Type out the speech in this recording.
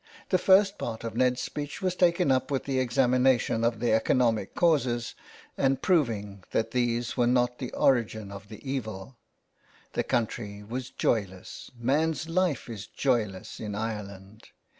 The first part of Ned's speech was taken up with the examina tion of the economic causes, and proving that these were not the origin of the evil. The country was joyless; man's life is joyless in Ireland.